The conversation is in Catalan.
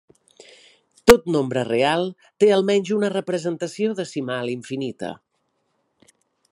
Tot nombre real té almenys una representació decimal infinita.